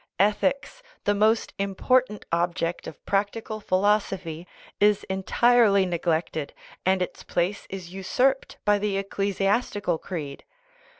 Ethics, the most important object of practical philosophy, is entirely neglected, and its place is usurped by the eccle siastical creed.